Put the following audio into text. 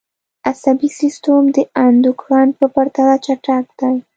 عصبي سیستم د اندوکراین په پرتله چټک دی